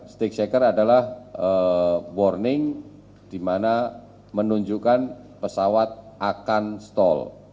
stick shaker adalah warning di mana menunjukkan pesawat akan stall